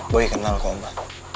boy kenal kok oma